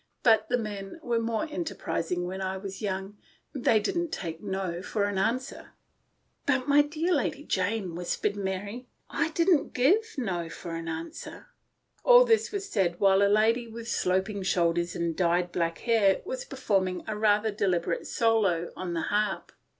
But the men were more enterprising when I was young. They didn't take 'no' for an answer." " But, dear Lady Jane, 1 ' whispered Mary, " I didn't give t no ' for an answer." All this was said while a lady with sloping shoulders and dyed black hair was performing a rather deliberate solo on the harp.